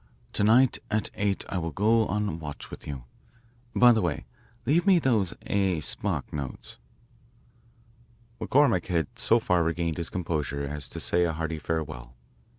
"To night at eight I will go on watch with you. By the way, leave me those A. Spark notes." McCormick had so far regained his composure as to say a hearty farewell.